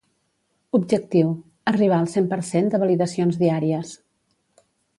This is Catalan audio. Objectiu: arribar al cent per cent de validacions diàries.